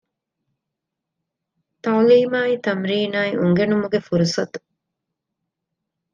ތަޢުލީމާއި ތަމްރީނާއި އުނގެނުމުގެ ފުރުޞަތު